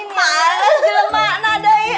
males juga makna doi